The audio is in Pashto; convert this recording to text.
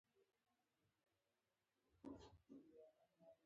د اندازه کولو پر آله ډېر فشار راوړل هم تېروتنه رامنځته کوي.